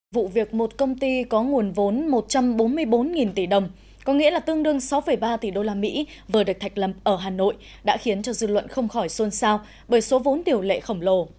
vụ việc một công ty có nguồn vốn một trăm bốn mươi bốn tỷ đồng có nghĩa là tương đương sáu ba tỷ đô la mỹ vừa được thạch lầm ở hà nội đã khiến cho dư luận không khỏi xôn xao bởi số vốn tiểu lệ khổng lồ